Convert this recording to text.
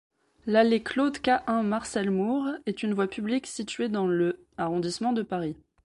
L'allée Claude-Cahun-Marcel-Moore est une voie publique située dans le arrondissement de Paris.